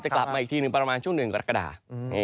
จะกลับมาอีกทีนึงประมาณช่วงหนึ่งก็ดักกระดาษ